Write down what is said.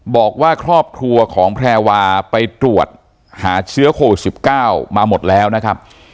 บอกว่าครอบครัวของแพรวาไปตรวจหาเชื้อโควิด๑๙มาหมดแล้วนะครับ